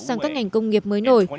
sang các ngành công nghiệp mới nổi